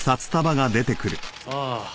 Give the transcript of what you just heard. ああ。